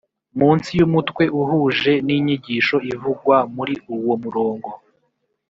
Munsi y umutwe uhuje n inyigisho ivugwa muri uwo murongo